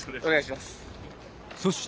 お願いします。